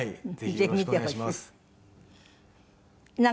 ぜひ見てほしい。